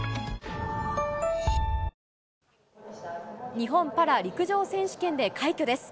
日本パラ陸上選手権で快挙です。